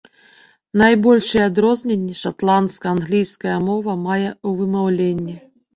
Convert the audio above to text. Найбольшыя адрозненні шатландская англійская мова мае ў вымаўленні.